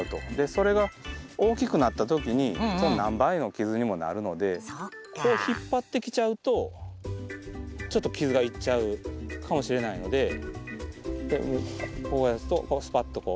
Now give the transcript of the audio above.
それが大きくなった時にその何倍の傷にもなるのでこう引っ張ってきちゃうとちょっと傷がいっちゃうかもしれないのでこうやるとスパッとこう。